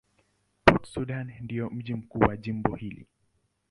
Port Sudan ndio mji mkuu wa jimbo hili.